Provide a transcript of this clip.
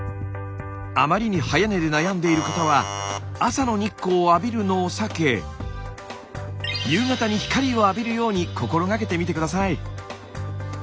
あまりに早寝で悩んでいる方は朝の日光を浴びるのを避け夕方に光を浴びるように心がけてみて下さい。